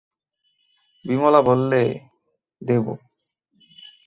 বিমলা বললে, দেব।